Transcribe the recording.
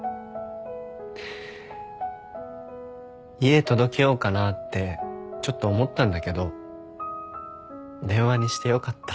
家届けようかなってちょっと思ったんだけど電話にしてよかった。